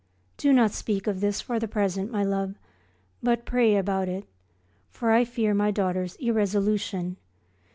Do not speak of this for the present, my love, but pray about it, for I fear my daughter's irresolution.